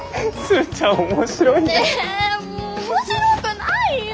ねえもう面白くないよ！